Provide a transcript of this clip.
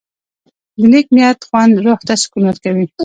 د نیک نیت خوند روح ته سکون ورکوي.